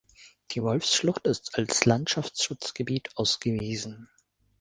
Die Wolfsschlucht ist als Landschaftsschutzgebiet ausgewiesen.